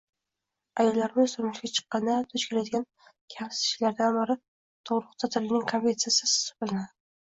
Ayollarimiz turmushga chiqqanda duch keladigan kamsitishlardan biri tug'ruq ta'tilining kompensatsiyasi hisoblanadi